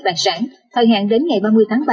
khoáng sản thời hạn đến ngày ba mươi tháng ba